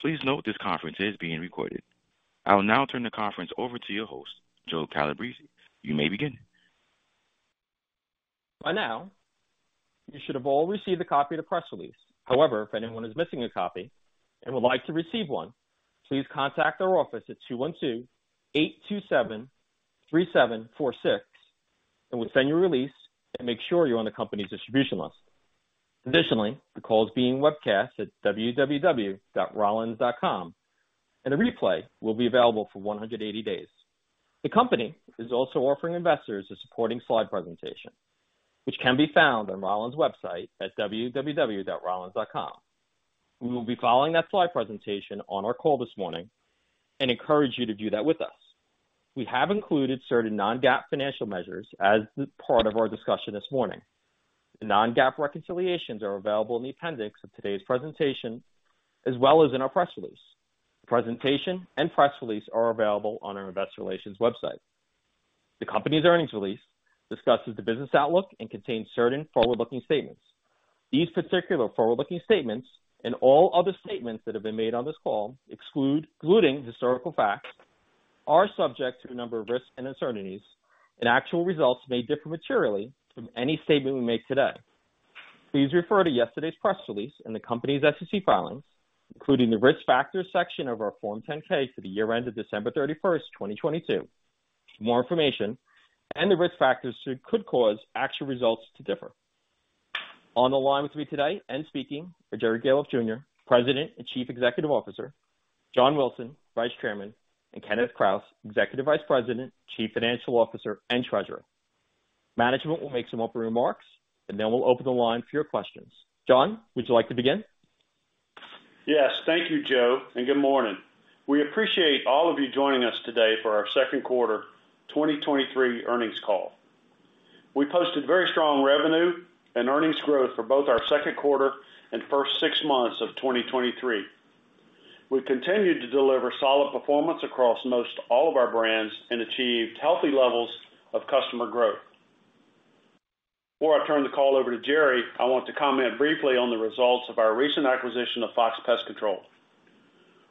Please note this conference is being recorded. I will now turn the conference over to your host, Joe Calabrese. You may begin. By now, you should have all received a copy of the press release. However, if anyone is missing a copy and would like to receive one, please contact our office at 212-827-3746, and we'll send you a release and make sure you're on the company's distribution list. The call is being webcast at www.rollins.com, and a replay will be available for 180 days. The company is also offering investors a supporting slide presentation, which can be found on Rollins website at www.rollins.com. We will be following that slide presentation on our call this morning and encourage you to do that with us. We have included certain non-GAAP financial measures as part of our discussion this morning. The non-GAAP reconciliations are available in the appendix of today's presentation, as well as in our press release. The presentation and press release are available on our investor relations website. The company's earnings release discusses the business outlook and contains certain forward-looking statements. These particular forward-looking statements, and all other statements that have been made on this call, exclude, including historical facts, are subject to a number of risks and uncertainties, and actual results may differ materially from any statement we make today. Please refer to yesterday's press release and the company's SEC filings, including the Risk Factors section of our Form 10-K for the year end of December 31st, 2022. More information and the risk factors could cause actual results to differ. On the line with me today and speaking are Jerry Gahlhoff, Jr., President and Chief Executive Officer, John Wilson, Vice Chairman, and Kenneth Krause, Executive Vice President, Chief Financial Officer and Treasurer. Management will make some opening remarks, and then we'll open the line for your questions. John, would you like to begin? Yes, thank you, Joe, and good morning. We appreciate all of you joining us today for our second quarter 2023 earnings call. We posted very strong revenue and earnings growth for both our second quarter and first six months of 2023. We've continued to deliver solid performance across most all of our brands and achieved healthy levels of customer growth. Before I turn the call over to Jerry, I want to comment briefly on the results of our recent acquisition of Fox Pest Control.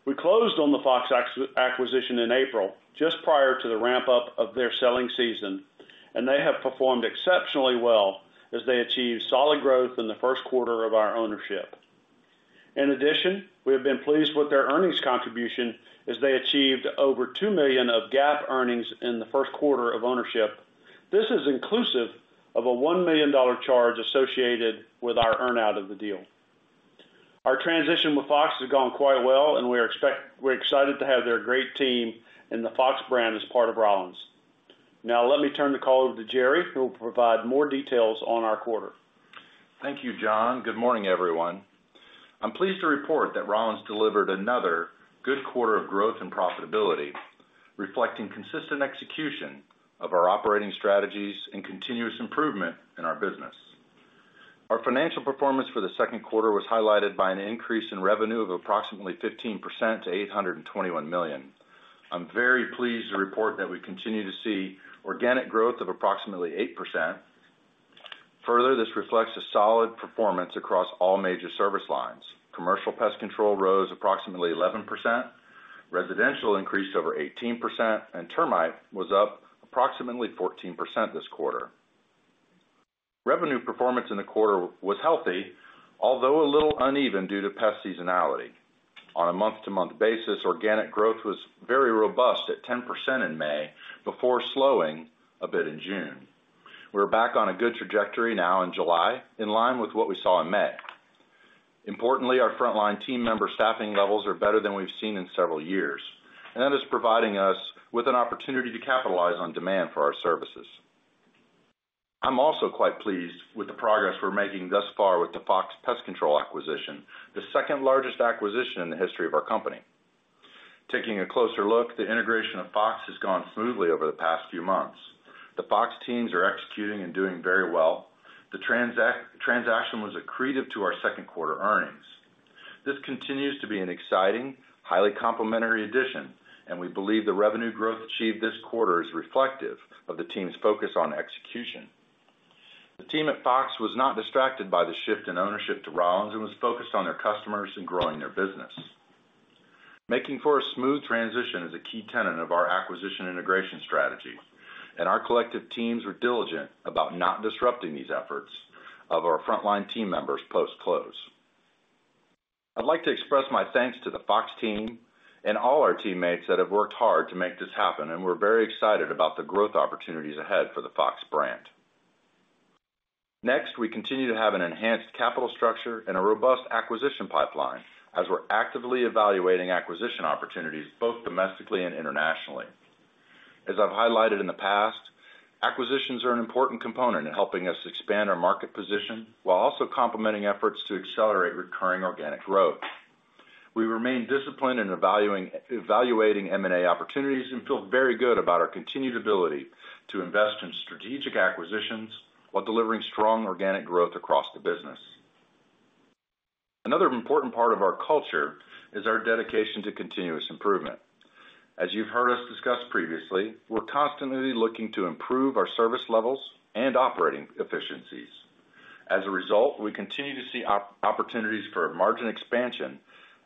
We closed on the Fox acquisition in April, just prior to the ramp-up of their selling season, and they have performed exceptionally well as they achieved solid growth in the first quarter of our ownership. In addition, we have been pleased with their earnings contribution as they achieved over $2 million of GAAP earnings in the first quarter of ownership. This is inclusive of a $1 million charge associated with our earn-out of the deal. Our transition with Fox has gone quite well, and we're excited to have their great team and the Fox brand as part of Rollins. Now, let me turn the call over to Jerry, who will provide more details on our quarter. Thank you, John. Good morning, everyone. I'm pleased to report that Rollins delivered another good quarter of growth and profitability, reflecting consistent execution of our operating strategies and continuous improvement in our business. Our financial performance for the second quarter was highlighted by an increase in revenue of approximately 15% to $821 million. I'm very pleased to report that we continue to see organic growth of approximately 8%. This reflects a solid performance across all major service lines. Commercial pest control rose approximately 11%, residential increased over 18%, and termite was up approximately 14% this quarter. Revenue performance in the quarter was healthy, although a little uneven due to pest seasonality. On a month-over-month basis, organic growth was very robust at 10% in May, before slowing a bit in June. We're back on a good trajectory now in July, in line with what we saw in May. Importantly, our frontline team member staffing levels are better than we've seen in several years, and that is providing us with an opportunity to capitalize on demand for our services. I'm also quite pleased with the progress we're making thus far with the Fox Pest Control acquisition, the second largest acquisition in the history of our company. Taking a closer look, the integration of Fox has gone smoothly over the past few months. The Fox teams are executing and doing very well. The transaction was accretive to our second quarter earnings. This continues to be an exciting, highly complementary addition, and we believe the revenue growth achieved this quarter is reflective of the team's focus on execution. The team at Fox was not distracted by the shift in ownership to Rollins and was focused on their customers and growing their business. Making for a smooth transition is a key tenet of our acquisition integration strategy, and our collective teams were diligent about not disrupting these efforts of our frontline team members post-close. I'd like to express my thanks to the Fox team and all our teammates that have worked hard to make this happen, and we're very excited about the growth opportunities ahead for the Fox brand. Next, we continue to have an enhanced capital structure and a robust acquisition pipeline as we're actively evaluating acquisition opportunities, both domestically and internationally. As I've highlighted in the past, acquisitions are an important component in helping us expand our market position while also complementing efforts to accelerate recurring organic growth. We remain disciplined in evaluating M&A opportunities and feel very good about our continued ability to invest in strategic acquisitions while delivering strong organic growth across the business. Another important part of our culture is our dedication to continuous improvement. As you've heard us discuss previously, we're constantly looking to improve our service levels and operating efficiencies. As a result, we continue to see opportunities for margin expansion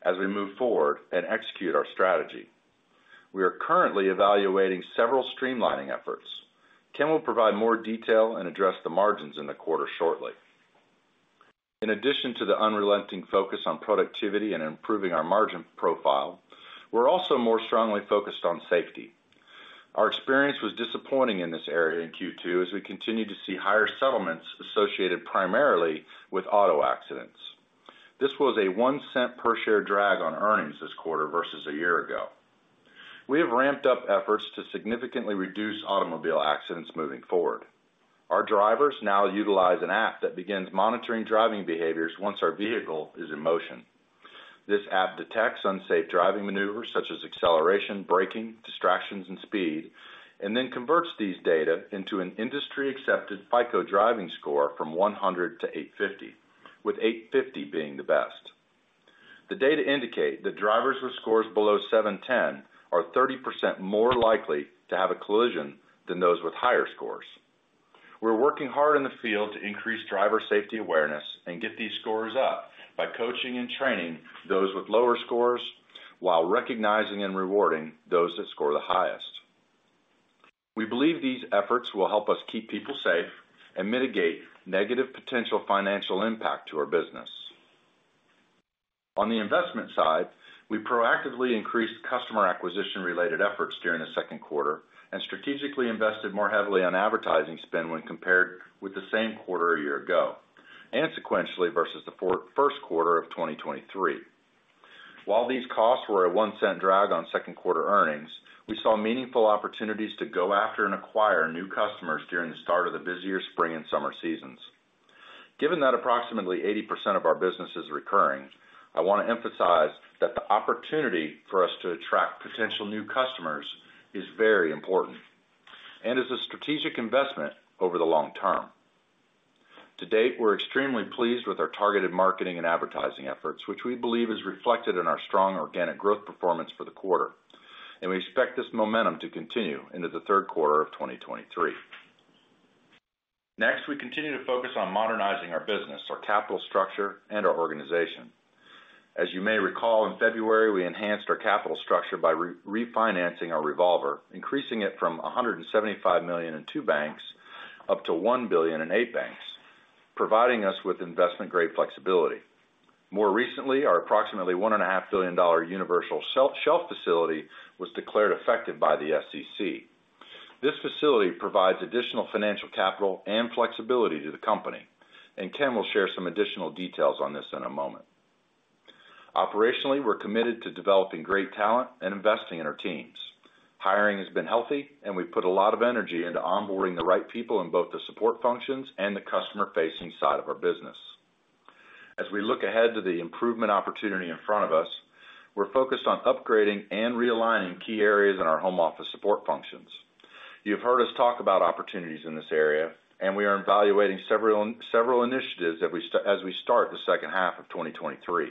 as we move forward and execute our strategy. We are currently evaluating several streamlining efforts. Ken will provide more detail and address the margins in the quarter shortly. In addition to the unrelenting focus on productivity and improving our margin profile, we're also more strongly focused on safety. Our experience was disappointing in this area in Q2, as we continued to see higher settlements associated primarily with auto accidents. This was a $0.01 per share drag on earnings this quarter versus a year ago. We have ramped up efforts to significantly reduce automobile accidents moving forward. Our drivers now utilize an app that begins monitoring driving behaviors once our vehicle is in motion. This app detects unsafe driving maneuvers, such as acceleration, braking, distractions, and speed, and then converts these data into an industry-accepted FICO driving score from 100-850, with 850 being the best. The data indicate that drivers with scores below 710 are 30% more likely to have a collision than those with higher scores. We're working hard in the field to increase driver safety awareness and get these scores up by coaching and training those with lower scores, while recognizing and rewarding those that score the highest. We believe these efforts will help us keep people safe and mitigate negative potential financial impact to our business. On the investment side, we proactively increased customer acquisition-related efforts during the second quarter, and strategically invested more heavily on advertising spend when compared with the same quarter a year ago, and sequentially versus the first quarter of 2023. While these costs were a $0.01 drag on second quarter earnings, we saw meaningful opportunities to go after and acquire new customers during the start of the busier spring and summer seasons. Given that approximately 80% of our business is recurring, I want to emphasize that the opportunity for us to attract potential new customers is very important, and is a strategic investment over the long term. To date, we're extremely pleased with our targeted marketing and advertising efforts, which we believe is reflected in our strong organic growth performance for the quarter. We expect this momentum to continue into the third quarter of 2023. Next, we continue to focus on modernizing our business, our capital structure, and our organization. As you may recall, in February, we enhanced our capital structure by re-refinancing our revolver, increasing it from $175 million in two banks, up to $1 billion in eight banks, providing us with investment-grade flexibility. More recently, our approximately $1.5 billion universal shelf facility was declared effective by the SEC. This facility provides additional financial capital and flexibility to the company. Ken will share some additional details on this in a moment. Operationally, we're committed to developing great talent and investing in our teams. Hiring has been healthy, we've put a lot of energy into onboarding the right people in both the support functions and the customer-facing side of our business. As we look ahead to the improvement opportunity in front of us, we're focused on upgrading and realigning key areas in our home office support functions. You've heard us talk about opportunities in this area, we are evaluating several initiatives as we start the H2 of 2023.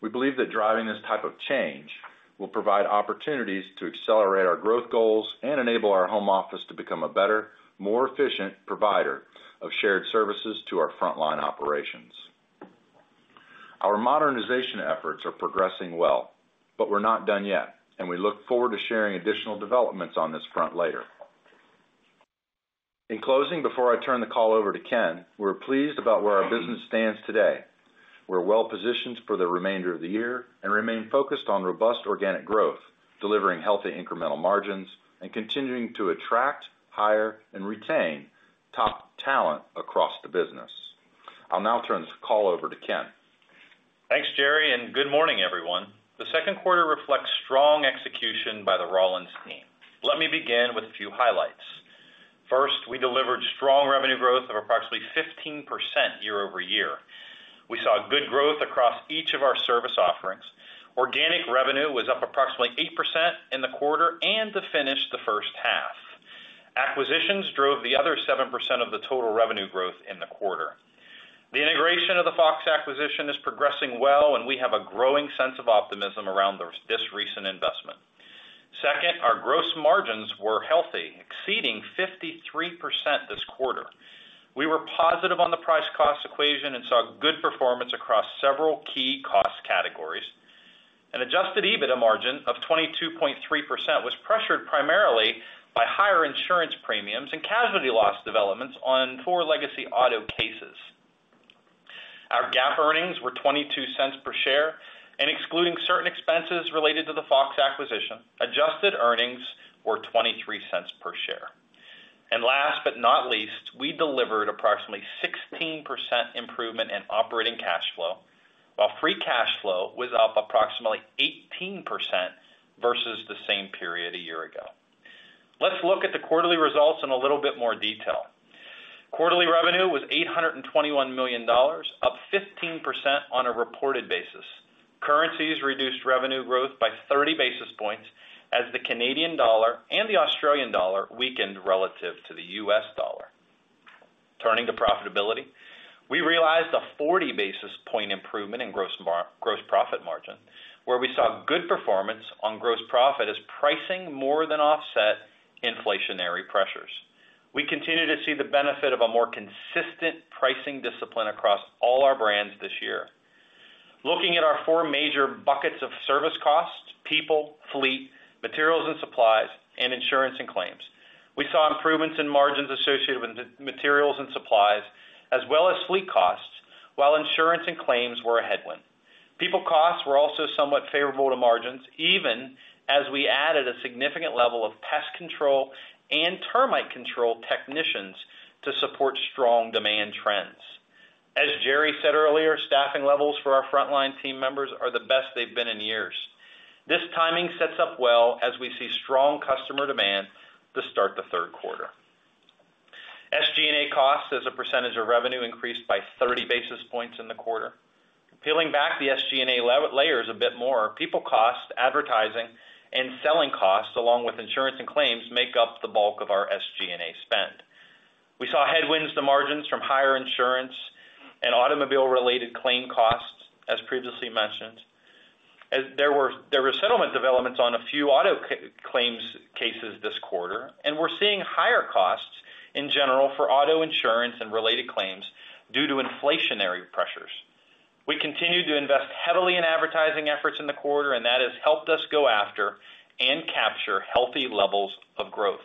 We believe that driving this type of change will provide opportunities to accelerate our growth goals and enable our home office to become a better, more efficient provider of shared services to our frontline operations. Our modernization efforts are progressing well, we're not done yet, we look forward to sharing additional developments on this front later. In closing, before I turn the call over to Ken, we're pleased about where our business stands today. We're well positioned for the remainder of the year and remain focused on robust organic growth, delivering healthy incremental margins, and continuing to attract, hire, and retain top talent across the business. I'll now turn this call over to Ken. Thanks, Jerry. Good morning, everyone. The second quarter reflects strong execution by the Rollins team. Let me begin with a few highlights. First, we delivered strong revenue growth of approximately 15% year-over-year. We saw good growth across each of our service offerings. Organic revenue was up approximately 8% in the quarter and to finish the H1. Acquisitions drove the other 7% of the total revenue growth in the quarter. The integration of the Fox acquisition is progressing well. We have a growing sense of optimism around this recent investment. Second, our gross margins were healthy, exceeding 53% this quarter. We were positive on the price-cost equation and saw good performance across several key cost categories. An Adjusted EBITDA margin of 22.3% was pressured primarily by higher insurance premiums and casualty loss developments on four legacy auto cases. Our GAAP earnings were $0.22 per share. Excluding certain expenses related to the Fox acquisition, adjusted earnings were $0.23 per share. Last but not least, we delivered approximately 16% improvement in operating cash flow, while free cash flow was up approximately 18% versus the same period a year ago. Let's look at the quarterly results in a little bit more detail. Quarterly revenue was $821 million, up 15% on a reported basis. Currencies reduced revenue growth by 30 bps, as the Canadian dollar and the Australian dollar weakened relative to the U.S. dollar. Turning to profitability, we realized a 40 bps improvement in gross profit margin, where we saw good performance on gross profit as pricing more than offset inflationary pressures. We continue to see the benefit of a more consistent pricing discipline across all our brands this year. Looking at our four major buckets of service costs, people, fleet, materials and supplies, and insurance and claims. We saw improvements in margins associated with materials and supplies, as well as fleet costs, while insurance and claims were a headwind. People costs were also somewhat favorable to margins, even as we added a significant level of pest control and termite control technicians to support strong demand trends. As Jerry said earlier, staffing levels for our frontline team members are the best they've been in years. This timing sets up well as we see strong customer demand to start the third quarter. SG&A costs as a percentage of revenue increased by 30 bps in the quarter. Peeling back the SG&A layers a bit more, people cost, advertising, and selling costs, along with insurance and claims, make up the bulk of our SG&A spend. We saw headwinds to margins from higher insurance and automobile-related claim costs, as previously mentioned. There were settlement developments on a few auto claims cases this quarter, and we're seeing higher costs in general for auto insurance and related claims due to inflationary pressures. We continued to invest heavily in advertising efforts in the quarter, and that has helped us go after and capture healthy levels of growth.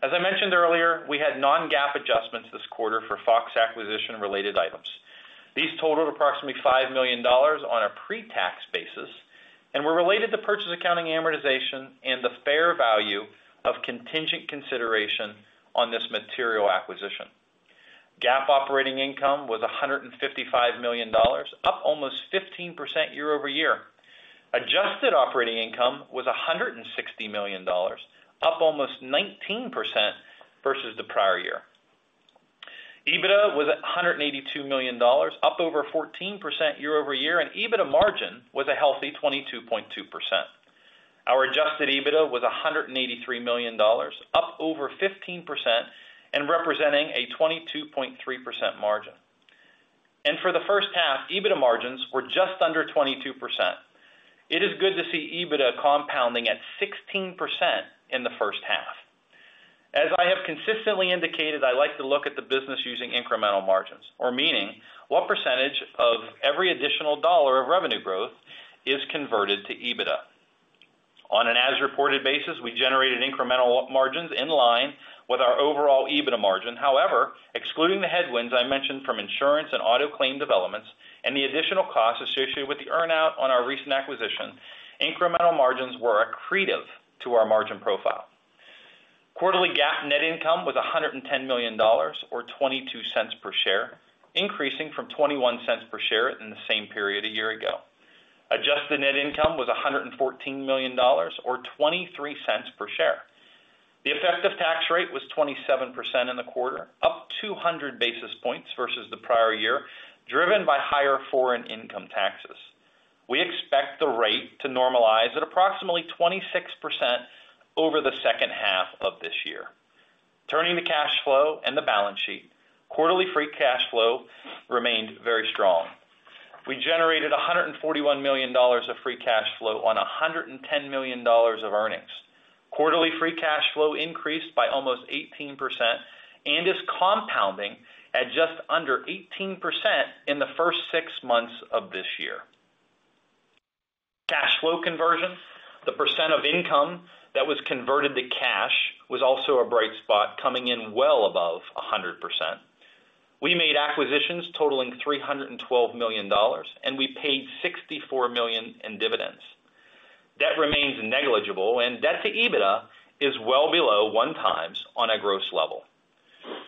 As I mentioned earlier, we had non-GAAP adjustments this quarter for Fox acquisition-related items. These totaled approximately $5 million on a pre-tax basis and were related to purchase accounting amortization and the fair value of contingent consideration on this material acquisition. GAAP operating income was $155 million, up almost 15% year-over-year. Adjusted operating income was $160 million, up almost 19% versus the prior year. EBITDA was $182 million, up over 14% year-over-year, and EBITDA margin was a healthy 22.2%. Our Adjusted EBITDA was $183 million, up over 15% and representing a 22.3% margin. For the H1, EBITDA margins were just under 22%. It is good to see EBITDA compounding at 16% in the H1. As I have consistently indicated, I like to look at the business using incremental margins, or meaning, what percentage of every additional dollar of revenue growth is converted to EBITDA? On an as-reported basis, we generated incremental margins in line with our overall EBITDA margin. Excluding the headwinds I mentioned from insurance and auto claim developments and the additional costs associated with the earn-out on our recent acquisition, incremental margins were accretive to our margin profile. Quarterly GAAP net income was $110 million, or $0.22 per share, increasing from $0.21 per share in the same period a year ago. Adjusted net income was $114 million, or $0.23 per share. The effective tax rate was 27% in the quarter, up 200 bps versus the prior year, driven by higher foreign income taxes. We expect the rate to normalize at approximately 26% over the H2 of this year. Turning to cash flow and the balance sheet. Quarterly free cash flow remained very strong. We generated $141 million of free cash flow on $110 million of earnings. Quarterly free cash flow increased by almost 18% and is compounding at just under 18% in the first six months of this year. Cash flow conversion, the percent of income that was converted to cash, was also a bright spot, coming in well above 100%. We made acquisitions totaling $312 million, we paid $64 million in dividends. Debt remains negligible, debt to EBITDA is well below 1 times on a gross level.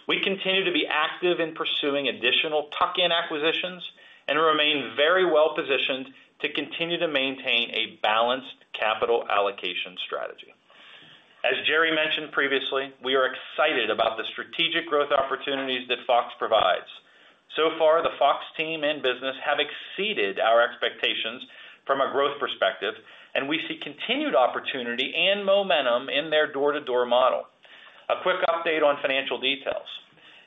We continue to be active in pursuing additional tuck-in acquisitions and remain very well positioned to continue to maintain a balanced capital allocation strategy. As Jerry mentioned previously, we are excited about the strategic growth opportunities that Fox provides. Far, the Fox team and business have exceeded our expectations from a growth perspective, and we see continued opportunity and momentum in their door-to-door model. A quick update on financial details.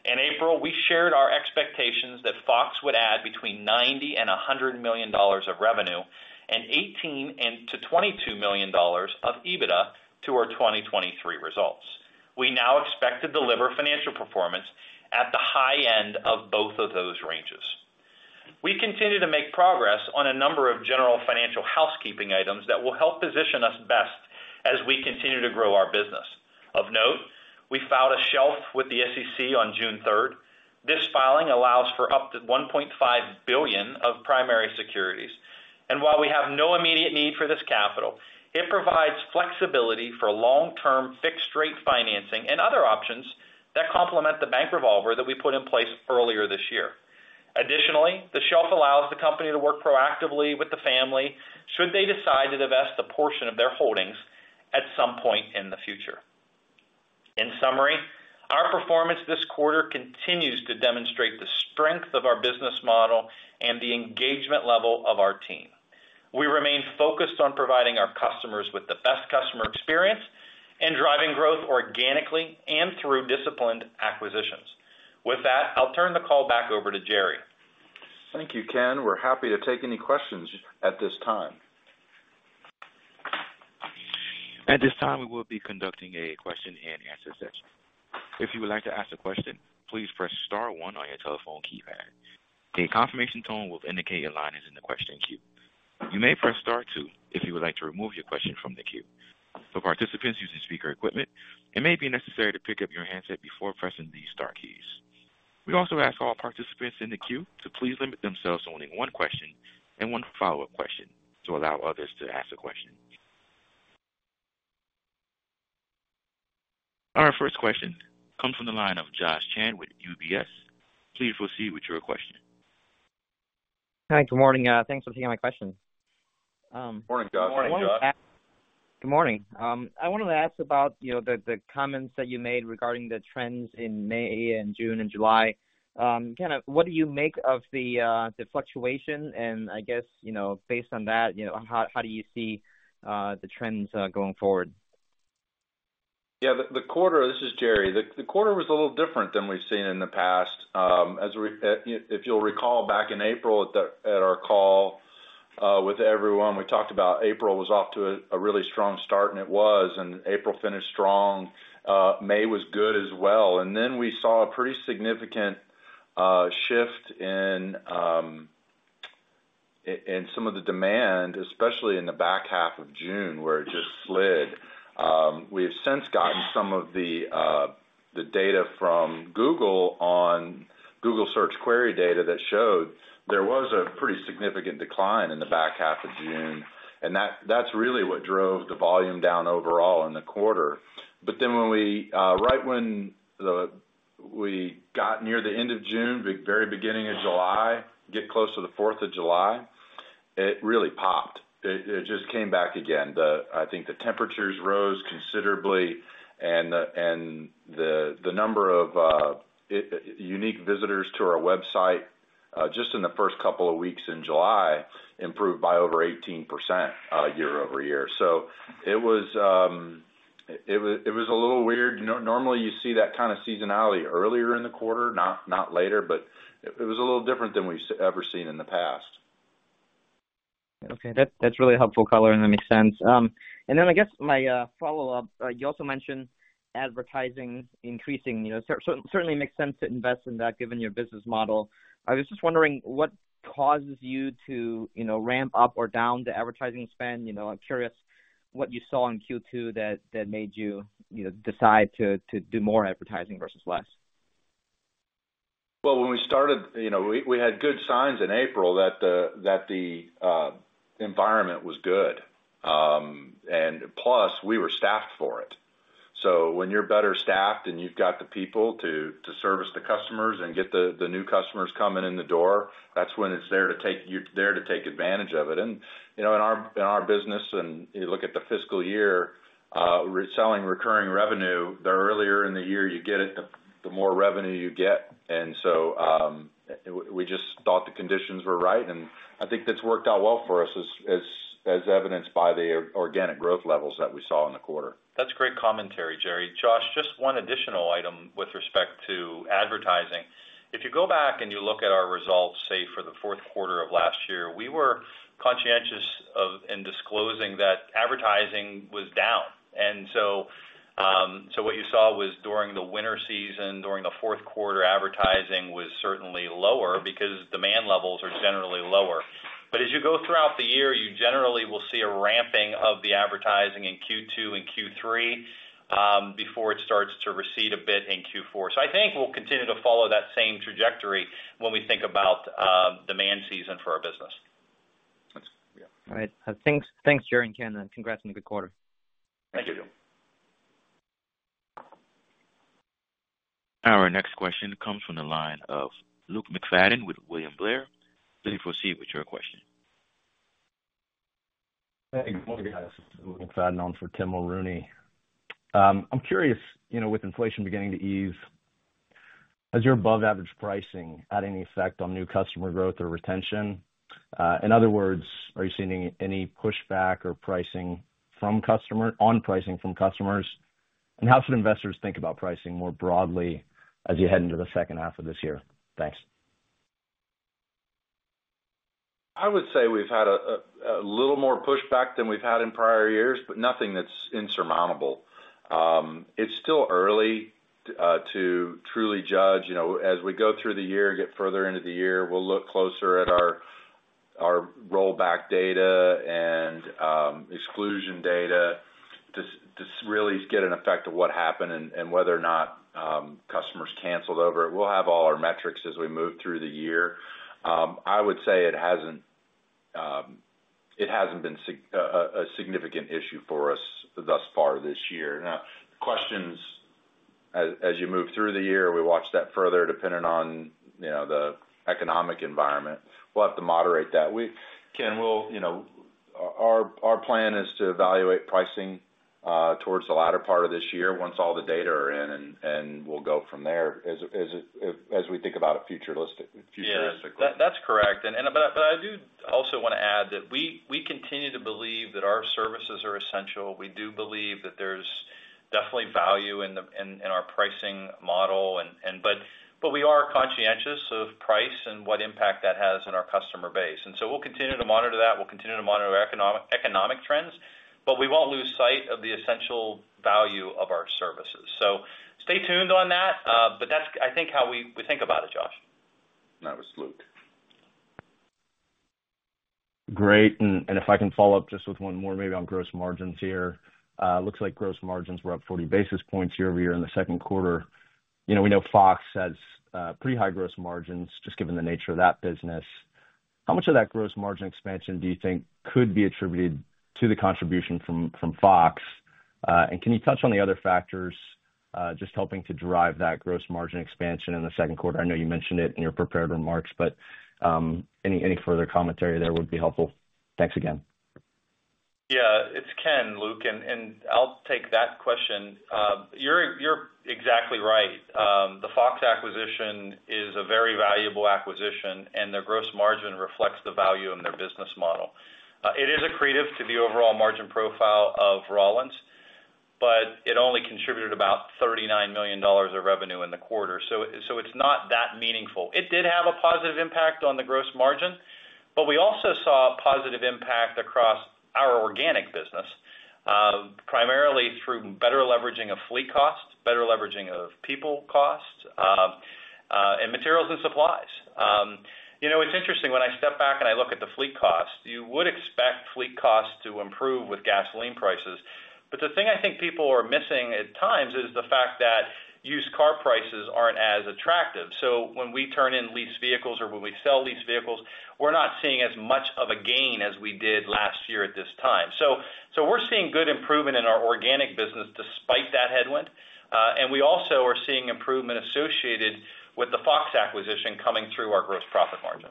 In April, we shared our expectations that Fox would add between $90 million and $100 million of revenue and $18 million and $22 million of EBITDA to our 2023 results. We now expect to deliver financial performance at the high end of both of those ranges. We continue to make progress on a number of general financial housekeeping items that will help position us best as we continue to grow our business. Of note, we filed a shelf with the SEC on June 3rd. This filing allows for up to $1.5 billion of primary securities, and while we have no immediate need for this capital, it provides flexibility for long-term fixed rate financing and other options that complement the bank revolver that we put in place earlier this year. Additionally, the shelf allows the company to work proactively with the family should they decide to divest a portion of their holdings at some point in the future. In summary, our performance this quarter continues to demonstrate the strength of our business model and the engagement level of our team. We remain focused on providing our customers with the best customer experience and driving growth organically and through disciplined acquisitions. With that, I'll turn the call back over to Jerry. Thank you, Ken. We're happy to take any questions at this time. At this time, we will be conducting a question-and-answer session. If you would like to ask a question, please press star one on your telephone keypad. A confirmation tone will indicate your line is in the question queue. You may press star two if you would like to remove your question from the queue. For participants using speaker equipment, it may be necessary to pick up your handset before pressing the star keys. We also ask all participants in the queue to please limit themselves to only one question and one follow-up question to allow others to ask a question. Our first question comes from the line of Joshua Chan with UBS. Please proceed with your question. Hi, good morning. Thanks for taking my question. Morning, Josh. Morning, Josh. Good morning. I wanted to ask about, you know, the comments that you made regarding the trends in May and June and July. Kind of what do you make of the fluctuation? I guess, you know, based on that, you know, how do you see the trends going forward? Yeah, the quarter. This is Jerry. The quarter was a little different than we've seen in the past. As we, if you'll recall back in April at our call, with everyone, we talked about April was off to a really strong start, and it was, and April finished strong. May was good as well. We saw a pretty significant shift in some of the demand, especially in the back half of June, where it just slid. We've since gotten some of the data from Google on Google Search query data that showed there was a pretty significant decline in the back half of June. That's really what drove the volume down overall in the quarter. When we, right when we got near the end of June, the very beginning of July, get close to the Fourth of July, it really popped. It just came back again. I think the temperatures rose considerably and the number of unique visitors to our website, just in the first couple of weeks in July, improved by over 18% year-over-year. It was, it was a little weird. Normally, you see that kind of seasonality earlier in the quarter, not later, but it was a little different than we've ever seen in the past. Okay. That's really helpful color, and that makes sense. I guess my follow-up, you also mentioned advertising increasing, you know, certainly makes sense to invest in that given your business model. I was just wondering what causes you to, you know, ramp up or down the advertising spend? You know, I'm curious what you saw in Q2 that made you, you know, decide to do more advertising versus less? Well, when we started, you know, we, we had good signs in April that the, that the environment was good, and plus, we were staffed for it. When you're better staffed and you've got the people to service the customers and get the new customers coming in the door, that's when you're there to take advantage of it. You know, in our, in our business, and you look at the fiscal year, reselling recurring revenue, the earlier in the year you get it, the more revenue you get. We just thought the conditions were right, and I think that's worked out well for us as evidenced by the organic growth levels that we saw in the quarter. That's great commentary, Jerry. Josh, just one additional item with respect to advertising. If you go back and you look at our results, say, for the fourth quarter of last year, we were conscientious in disclosing that advertising was down. What you saw was during the winter season, during the fourth quarter, advertising was certainly lower because demand levels are generally lower. As you go throughout the year, you generally will see a ramping of the advertising in Q2 and Q3, before it starts to recede a bit in Q4. I think we'll continue to follow that same trajectory when we think about, demand season for our business. That's yeah. All right. Thanks, Jerry and Ken, and congrats on a good quarter. Thank you. Our next question comes from the line of Luke McFadden with William Blair. Please proceed with your question. Hey, good morning, guys. Luke McFadden on for Tim Mulrooney. I'm curious, you know, with inflation beginning to ease, has your above average pricing had any effect on new customer growth or retention? In other words, are you seeing any pushback or pricing on pricing from customers? How should investors think about pricing more broadly as you head into the H2 of this year? Thanks. I would say we've had a little more pushback than we've had in prior years, but nothing that's insurmountable. It's still early to truly judge. You know, as we go through the year and get further into the year, we'll look closer at our rollback data and exclusion data to really get an effect of what happened and whether or not customers canceled over it. We'll have all our metrics as we move through the year. I would say it hasn't, it hasn't been a significant issue for us thus far this year. Now, questions as you move through the year, we watch that further, depending on, you know, the economic environment. We'll have to moderate that. Ken, we'll... You know, our plan is to evaluate pricing-... towards the latter part of this year, once all the data are in, and we'll go from there, as we think about it futuristically. Yeah, that's correct. I do also want to add that we continue to believe that our services are essential. We do believe that there's definitely value in our pricing model, but we are conscientious of price and what impact that has on our customer base. We'll continue to monitor that. We'll continue to monitor economic trends, but we won't lose sight of the essential value of our services. Stay tuned on that, but that's, I think, how we think about it, Josh. That was Luke. Great. If I can follow up just with one more, maybe on gross margins here. Looks like gross margins were up 40 bps year-over-year in the second quarter. You know, we know Fox has pretty high gross margins, just given the nature of that business. How much of that gross margin expansion do you think could be attributed to the contribution from Fox? Can you touch on the other factors just helping to drive that gross margin expansion in the second quarter? I know you mentioned it in your prepared remarks, but any further commentary there would be helpful. Thanks again. Yeah, it's Ken, Luke, and I'll take that question. You're exactly right. The Fox acquisition is a very valuable acquisition, and their gross margin reflects the value in their business model. It is accretive to the overall margin profile of Rollins, but it only contributed about $39 million of revenue in the quarter, so it's not that meaningful. It did have a positive impact on the gross margin, but we also saw positive impact across our organic business, primarily through better leveraging of fleet costs, better leveraging of people costs, and materials and supplies. You know, it's interesting, when I step back and I look at the fleet costs, you would expect fleet costs to improve with gasoline prices. The thing I think people are missing at times is the fact that used car prices aren't as attractive. When we turn in leased vehicles or when we sell leased vehicles, we're not seeing as much of a gain as we did last year at this time. We're seeing good improvement in our organic business despite that headwind, and we also are seeing improvement associated with the Fox acquisition coming through our gross profit margin.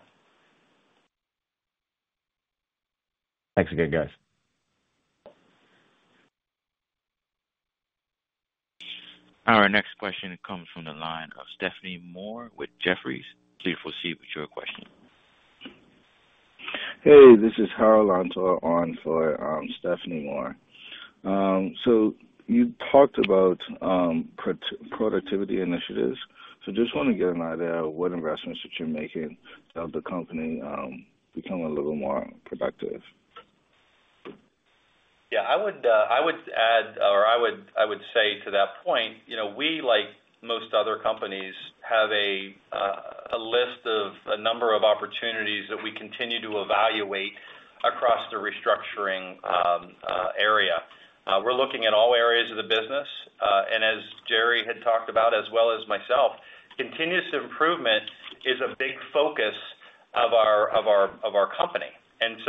Thanks again, guys. Our next question comes from the line of Stephanie Moore with Jefferies. Please proceed with your question. Hey, this is Harold Lanto on for Stephanie Moore. You talked about productivity initiatives. Just want to get an idea of what investments that you're making to help the company become a little more productive? Yeah, I would add or I would say to that point, you know, we, like most other companies, have a list of a number of opportunities that we continue to evaluate across the restructuring area. We're looking at all areas of the business. And as Jerry had talked about, as well as myself, continuous improvement is a big focus of our company.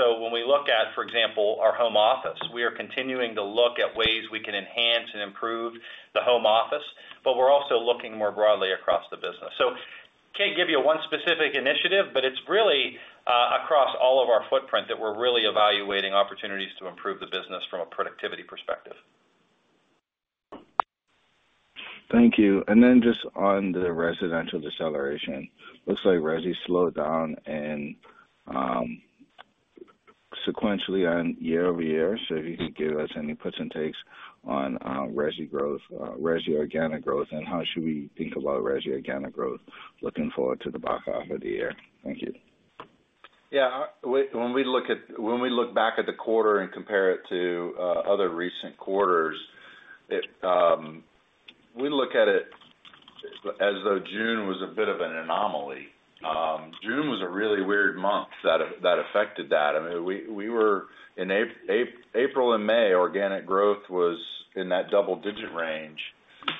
When we look at, for example, our home office, we are continuing to look at ways we can enhance and improve the home office, but we're also looking more broadly across the business. Can't give you one specific initiative, but it's really across all of our footprint, that we're really evaluating opportunities to improve the business from a productivity perspective. Thank you. Just on the residential deceleration. Looks like Resi slowed down and sequentially on year-over-year. If you could give us any puts and takes on Resi growth, Resi organic growth, and how should we think about Resi organic growth looking forward to the back half of the year? Thank you. Yeah, when we look back at the quarter and compare it to other recent quarters, it, we look at it as though June was a bit of an anomaly. June was a really weird month that affected that. I mean, we were in April and May, organic growth was in that double-digit range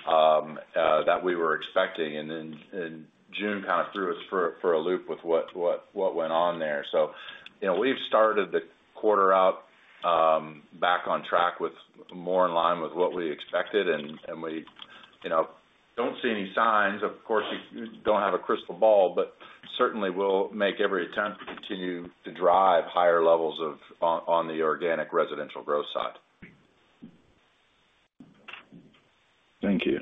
that we were expecting, and June kind of threw us for a loop with what went on there. You know, we've started the quarter out back on track with more in line with what we expected, and we, you know, don't see any signs. Of course, we don't have a crystal ball, but certainly we'll make every attempt to continue to drive higher levels of on the organic residential growth side. Thank you.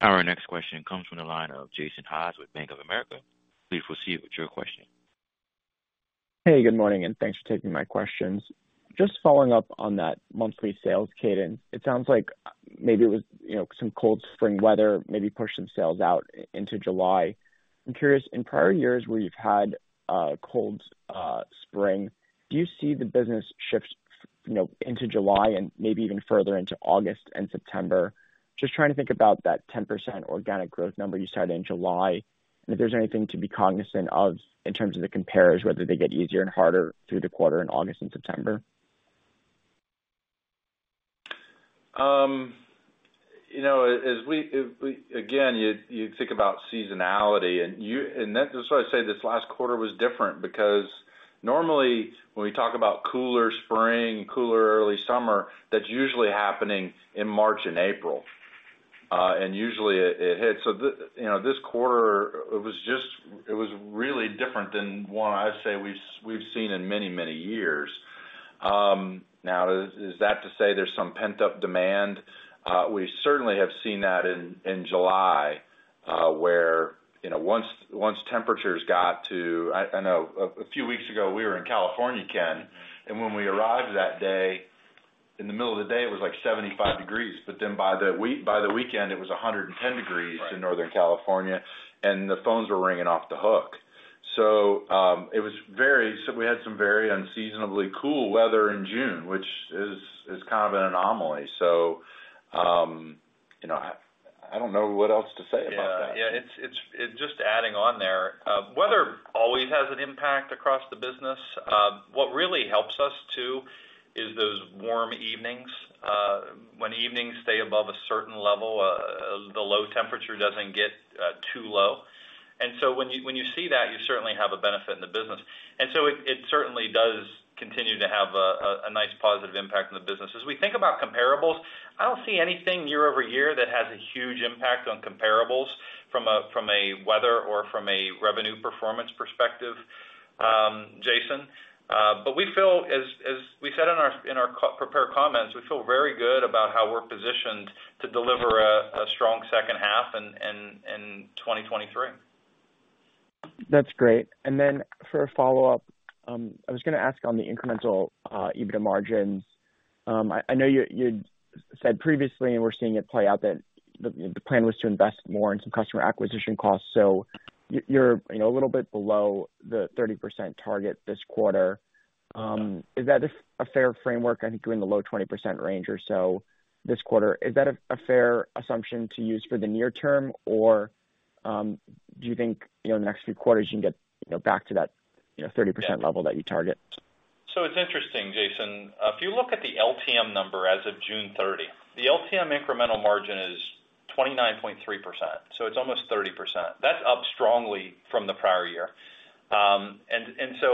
Our next question comes from the line of Jason Haas with Bank of America. Please proceed with your question. Hey, good morning, and thanks for taking my questions. Just following up on that monthly sales cadence. It sounds like maybe it was, you know, some cold spring weather, maybe pushed some sales out into July. I'm curious, in prior years where you've had a cold spring, do you see the business shift, you know, into July and maybe even further into August and September? Just trying to think about that 10% organic growth number you cited in July, and if there's anything to be cognizant of in terms of the compares, whether they get easier and harder through the quarter in August and September. you know, again, you think about seasonality, and that's why I say this last quarter was different, because normally, when we talk about cooler spring, cooler early summer, that's usually happening in March and April. Usually it hits. You know, this quarter, it was just, it was really different than one I'd say we've seen in many, many years. Is that to say there's some pent-up demand? We certainly have seen that in July, where, you know, once temperatures got to. I know a few weeks ago, we were in California, Ken, and when we arrived that day, in the middle of the day, it was like 75 degrees. Then by the weekend, it was 110 degrees. Right. in Northern California, and the phones were ringing off the hook. We had some very unseasonably cool weather in June, which is kind of an anomaly. You know, I don't know what else to say about that. Yeah. It's just adding on there, weather always has an impact across the business. What really helps us, too, is those warm evenings. When evenings stay above a certain level, the low temperature doesn't get too low. When you see that, you certainly have a benefit in the business. It certainly does continue to have a nice positive impact on the business. As we think about comparables, I don't see anything year-over-year that has a huge impact on comparables from a weather or from a revenue performance perspective, Jason. But we feel as we said in our co-prepared comments, we feel very good about how we're positioned to deliver a strong H2 in 2023. That's great. Then for a follow-up, I was gonna ask on the incremental EBITDA margins. I know you said previously, and we're seeing it play out, that the plan was to invest more in some customer acquisition costs. You're, you know, a little bit below the 30% target this quarter. Is that a fair framework? I think you're in the low 20% range or so this quarter. Is that a fair assumption to use for the near term, or do you think, you know, in the next few quarters you can get, you know, back to that, you know, 30% level that you target? It's interesting, Jason. If you look at the LTM number as of June 30, the LTM incremental margin is 29.3%, so it's almost 30%.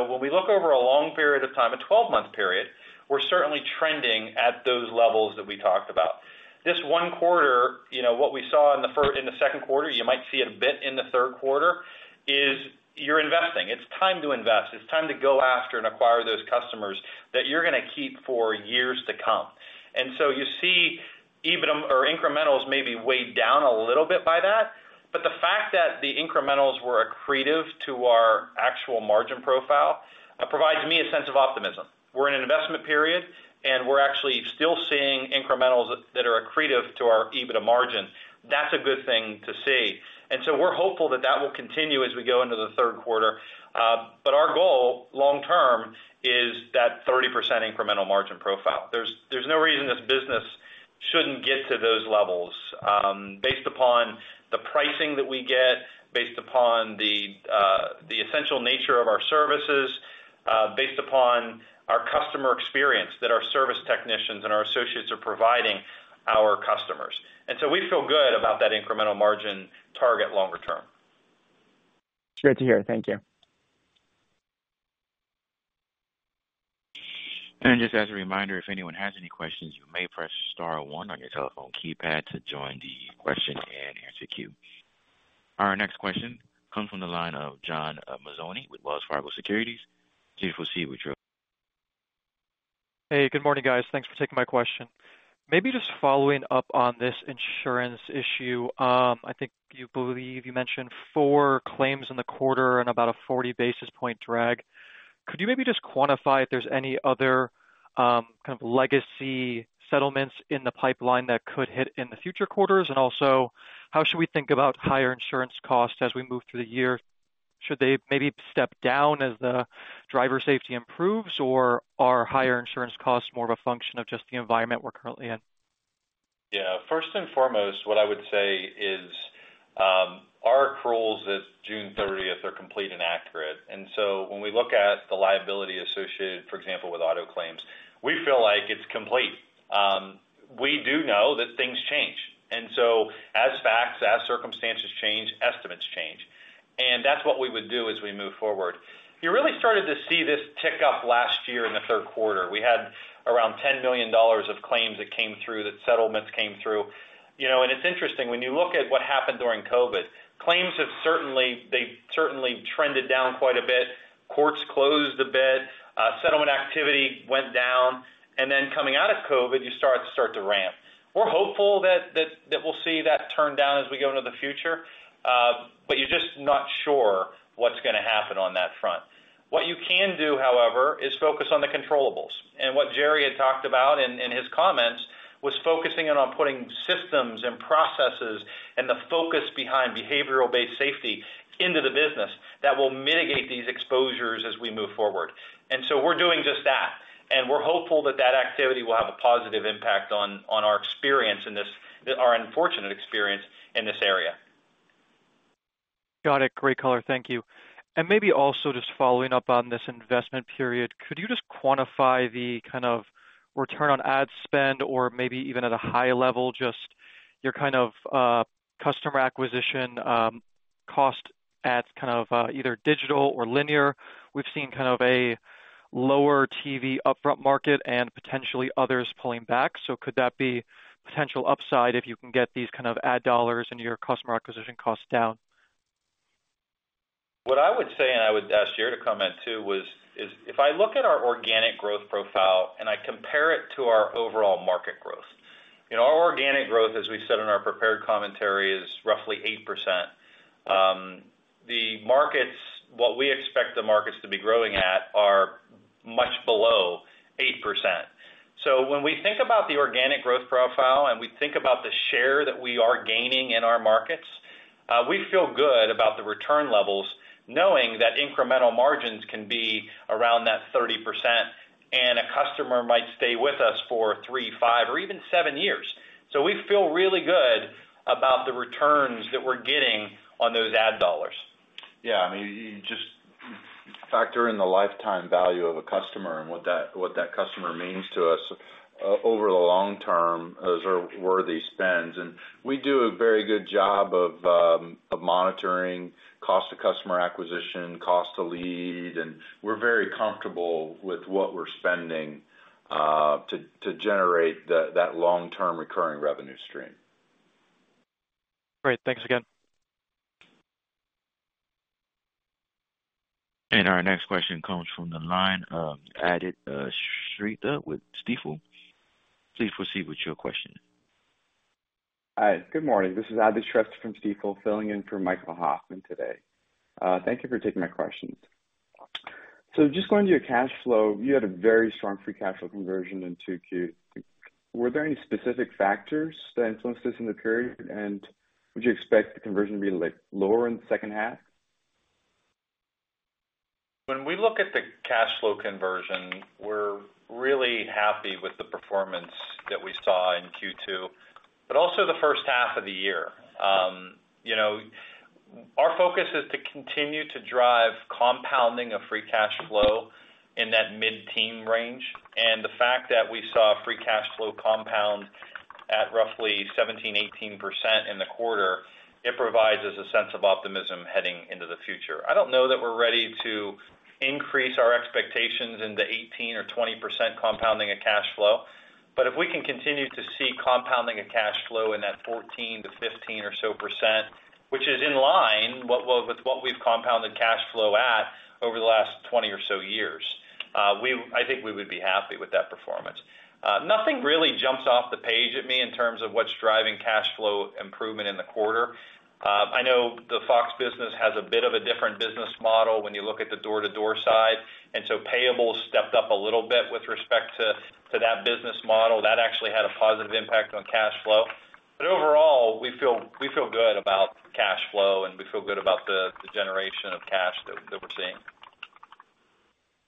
When we look over a long period of time, a 12-month period, we're certainly trending at those levels that we talked about. This 1 quarter, you know, what we saw in the 2nd quarter, you might see it a bit in the 3rd quarter, is you're investing. It's time to invest. It's time to go after and acquire those customers that you're gonna keep for years to come. You see EBITDA or incrementals maybe weighed down a little bit by that, but the fact that the incrementals were accretive to our actual margin profile, provides me a sense of optimism. We're in an investment period, we're actually still seeing incrementals that are accretive to our EBITDA margin. That's a good thing to see. We're hopeful that that will continue as we go into the third quarter. Our goal, long term, is that 30% incremental margin profile. There's no reason this business shouldn't get to those levels, based upon the pricing that we get, based upon the essential nature of our services, based upon our customer experience, that our service technicians and our associates are providing our customers. We feel good about that incremental margin target longer term. Great to hear. Thank you. Just as a reminder, if anyone has any questions, you may press star one on your telephone keypad to join the question and answer queue. Our next question comes from the line of John Mazzoni with Wells Fargo Securities. Please proceed with your. Hey, good morning, guys. Thanks for taking my question. Maybe just following up on this insurance issue. I think you believe you mentioned 4 claims in the quarter and about a 40 bps drag. Could you maybe just quantify if there's any other, kind of legacy settlements in the pipeline that could hit in the future quarters? How should we think about higher insurance costs as we move through the year? Should they maybe step down as the driver safety improves, or are higher insurance costs more of a function of just the environment we're currently in? Yeah. First and foremost, what I would say is, our accruals as of June 30th are complete and accurate. When we look at the liability associated, for example, with auto claims, we feel like it's complete. We do know that things change, as facts, as circumstances change, estimates change. That's what we would do as we move forward. You really started to see this tick up last year in the 3rd quarter. We had around $10 million of claims that came through, that settlements came through. You know, it's interesting, when you look at what happened during COVID, they've certainly trended down quite a bit. Courts closed a bit, settlement activity went down, coming out of COVID, you start to ramp. We're hopeful that we'll see that turn down as we go into the future, but you're just not sure what's gonna happen on that front. What you can do, however, is focus on the controllables. What Jerry had talked about in his comments, was focusing in on putting systems and processes and the focus behind behavioral-based safety into the business that will mitigate these exposures as we move forward. We're doing just that, and we're hopeful that that activity will have a positive impact on our unfortunate experience in this area. Got it. Great color. Thank you. Maybe also just following up on this investment period, could you just quantify the kind of return on ad spend or maybe even at a high level, just your kind of customer acquisition cost ads kind of either digital or linear? We've seen kind of a lower TV upfront market and potentially others pulling back. Could that be potential upside if you can get these kind of ad dollars and your customer acquisition costs down? What I would say, and I would ask Jerry to comment, too, was, is if I look at our organic growth profile and I compare it to our overall market growth, you know, our organic growth, as we said in our prepared commentary, is roughly 8%. What we expect the markets to be growing at are much below 8%. When we think about the organic growth profile and we think about the share that we are gaining in our markets, we feel good about the return levels, knowing that incremental margins can be around that 30%, and a customer might stay with us for three, five, or even seven years. We feel really good about the returns that we're getting on those ad dollars. Yeah, I mean, you just factor in the lifetime value of a customer and what that customer means to us, over the long term, those are worthy spends. We do a very good job of monitoring cost of customer acquisition, cost to lead, and we're very comfortable with what we're spending, to generate that long-term recurring revenue stream. Great. Thanks again. Our next question comes from the line of Aadit Shrestha with Stifel. Please proceed with your question. Hi, good morning. This is Aadit Shrestha from Stifel, filling in for Michael Hoffman today. Thank you for taking my questions. Just going to your cash flow, you had a very strong free cash flow conversion in 2Q. Were there any specific factors that influenced this in the period? Would you expect the conversion to be, like, lower in the H2? When we look at the cash flow conversion, we're really happy with the performance that we saw in Q2, but also the H1 of the year. You know, our focus is to continue to drive compounding of free cash flow in that mid-teen range. The fact that we saw free cash flow compound at roughly 17%-18% in the quarter, it provides us a sense of optimism heading into the future. I don't know that we're ready to increase our expectations into 18% or 20% compounding of cash flow, but if we can continue to see compounding of cash flow in that 14%-15% or so percent, which is in line with what, with what we've compounded cash flow at over the last 20 or so years, I think we would be happy with that performance. Nothing really jumps off the page at me in terms of what's driving cash flow improvement in the quarter. I know the Fox business has a bit of a different business model when you look at the door-to-door side, payables stepped up a little bit with respect to that business model. That actually had a positive impact on cash flow. Overall, we feel good about cash flow, and we feel good about the generation of cash that, that we're seeing.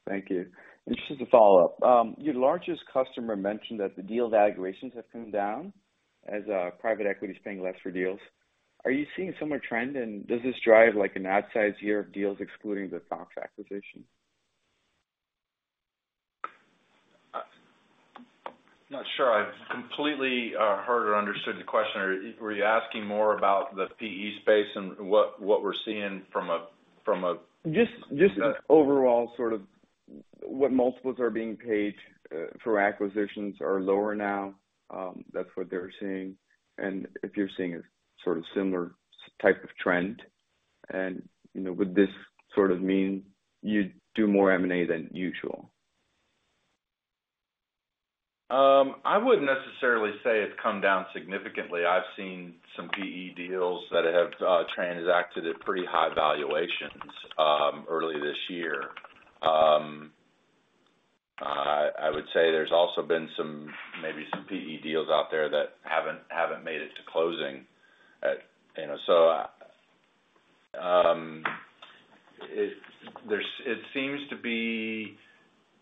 Thank you. Just as a follow-up, your largest customer mentioned that the deal valuations have come down as private equity is paying less for deals. Are you seeing a similar trend, and does this drive like an outsized year of deals, excluding the Fox acquisition? Not sure I've completely heard or understood the question? Were you asking more about the PE space and what we're seeing from. Just an overall sort of what multiples are being paid for acquisitions are lower now, that's what they're seeing. If you're seeing a sort of similar type of trend, and, you know, would this sort of mean you'd do more M&A than usual? I wouldn't necessarily say it's come down significantly. I've seen some PE deals that have transacted at pretty high valuations, early this year. I would say there's also been some, maybe some PE deals out there that haven't made it to closing. You know, it seems to be.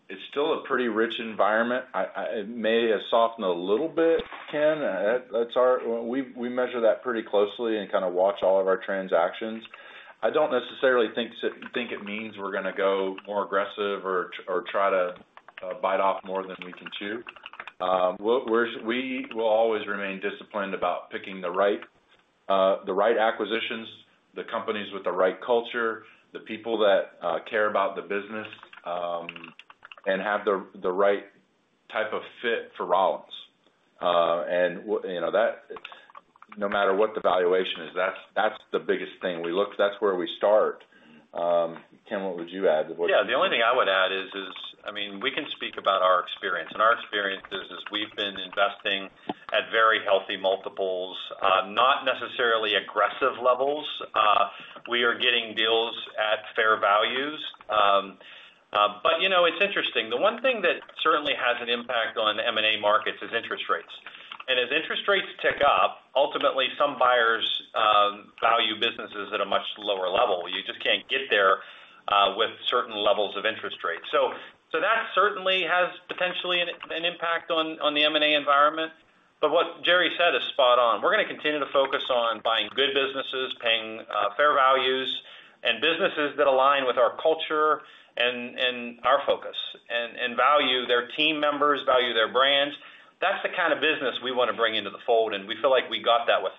It's still a pretty rich environment. I, it may have softened a little bit, Ken. We measure that pretty closely and kind of watch all of our transactions. I don't necessarily think it means we're gonna go more aggressive or try to bite off more than we can chew. What we will always remain disciplined about picking the right acquisitions, the companies with the right culture, the people that care about the business, and have the, the right type of fit for Rollins. And, you know, no matter what the valuation is, that's, that's the biggest thing we start. Ken, what would you add? Yeah, the only thing I would add is, I mean, we can speak about our experience. Our experience is we've been investing at very healthy multiples, not necessarily aggressive levels. We are getting deals at fair values. You know, it's interesting. The one thing that certainly has an impact on M&A markets is interest rates. As interest rates tick up, ultimately some buyers value businesses at a much lower level. You just can't get there with certain levels of interest rates. That certainly has potentially an impact on the M&A environment. What Jerry said is spot on. We're gonna continue to focus on buying good businesses, paying fair value, businesses that align with our culture and our focus and value their team members, value their brands. That's the kind of business we wanna bring into the fold, and we feel like we got that with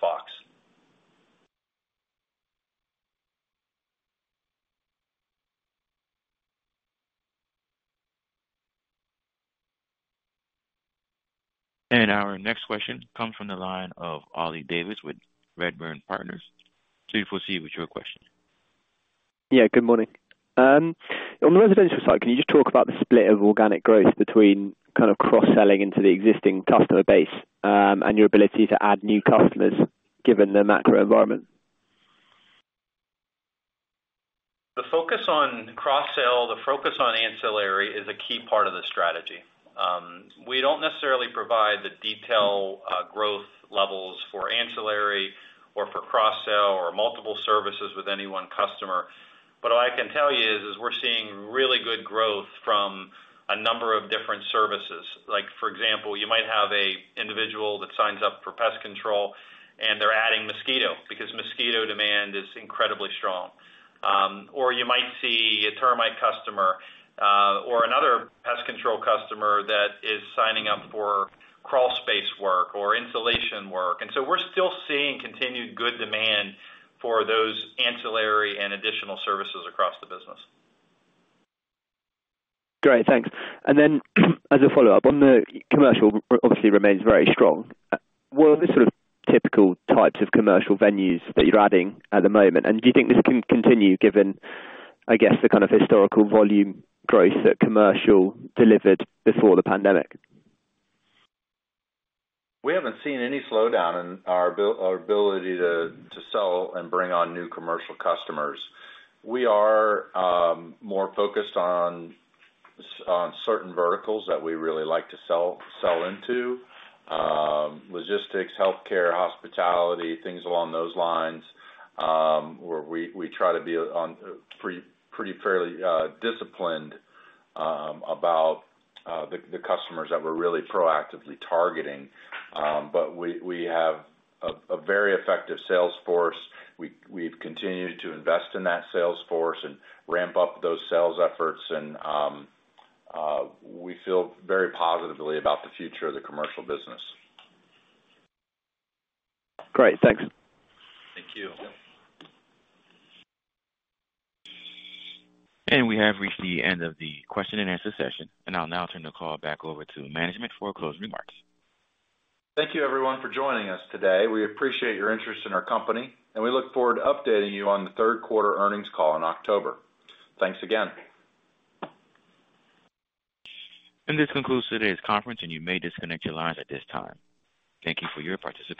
Fox. Our next question comes from the line of Oliver Davies with Redburn. Please proceed with your question. Good morning. On the residential side, can you just talk about the split of organic growth between kind of cross-selling into the existing customer base, and your ability to add new customers, given the macro environment? The focus on cross-sell, the focus on ancillary is a key part of the strategy. We don't necessarily provide the detail, growth levels for ancillary or for cross-sell or multiple services with any one customer. What I can tell you is we're seeing really good growth from a number of different services. Like, for example, you might have a individual that signs up for pest control, and they're adding mosquito, because mosquito demand is incredibly strong. Or you might see a termite customer, or another pest control customer that is signing up for crawl space work or insulation work. We're still seeing continued good demand for those ancillary and additional services across the business. Great, thanks. Then as a follow-up, on the commercial, obviously remains very strong. What are the sort of typical types of commercial venues that you're adding at the moment? Do you think this can continue given, I guess, the kind of historical volume growth that commercial delivered before the pandemic? We haven't seen any slowdown in our ability to sell and bring on new commercial customers. We are more focused on certain verticals that we really like to sell into, logistics, healthcare, hospitality, things along those lines, where we try to be pretty fairly disciplined about the customers that we're really proactively targeting. We have a very effective sales force. We've continued to invest in that sales force and ramp up those sales efforts, and we feel very positively about the future of the commercial business. Great, thanks. Thank you. We have reached the end of the question and answer session, and I'll now turn the call back over to management for closing remarks. Thank you, everyone, for joining us today. We appreciate your interest in our company, and we look forward to updating you on the third quarter earnings call in October. Thanks again. This concludes today's conference, and you may disconnect your lines at this time. Thank you for your participation.